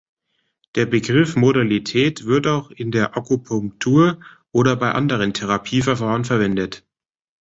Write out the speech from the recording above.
Der Begriff Modalität wird auch in der Akupunktur oder bei anderen Therapieverfahren verwendet.